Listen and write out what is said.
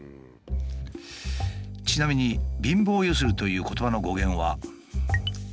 ちなみに「貧乏ゆすり」という言葉の語源は。